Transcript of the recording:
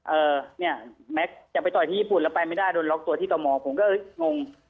เอ่อเนี่ยแม็กซ์จะไปต่อยที่ญี่ปุ่นแล้วไปไม่ได้โดนล็อกตัวที่ต่อหมอผมก็งง